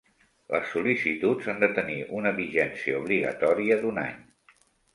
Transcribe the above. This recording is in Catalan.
Les sol·licituds han de tenir una vigència obligatòria d'un any.